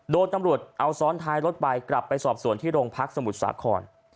โดนตำรวจเอาซ้อนท้ายรถไปกลับไปสอบส่วนที่โรงพักสมุทรสาคร